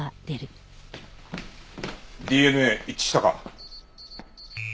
ＤＮＡ一致したか？